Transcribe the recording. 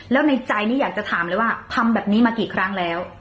แล้วในใจนี้อยากจะถามเลยว่าทำแบบนี้มากี่ครั้งแล้ว